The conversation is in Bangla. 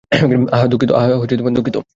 আহ, দুঃখিত।